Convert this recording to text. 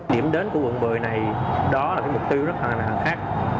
điểm đến của quận một mươi này đó là cái mục tiêu rất là khác